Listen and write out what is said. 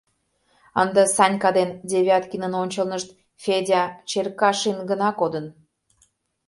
Ынде Санька ден Девяткинын ончылнышт Федя Черкашин гына кодын.